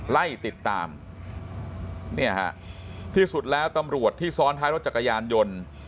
ไล่ติดตามเนี่ยฮะที่สุดแล้วตำรวจที่ซ้อนท้ายรถจักรยานยนต์